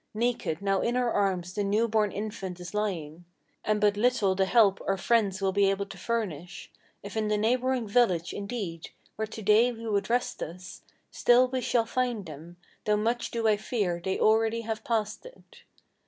Naked, now in her arms the new born infant is lying, And but little the help our friends will be able to furnish, If in the neighboring village, indeed, where to day we would rest us, Still we shall find them; though much do I fear they already have passed it.